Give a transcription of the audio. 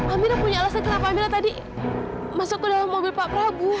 amira punya alasan kenapa amira tadi masuk ke dalam mobil pak prabu